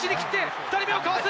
２人目を交わす！